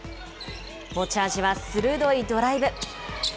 持ち味は鋭いドライブ。